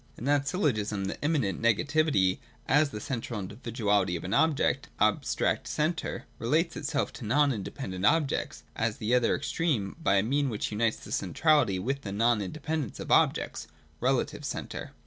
In that syllogism the immanent negativity, as the central individuality of an object, (abstract centre,) relates itself to non independent objects, as the other extreme, by a mean which unites the centrality with the non independence of the objects, (relative centre.)